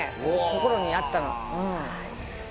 心にあったの。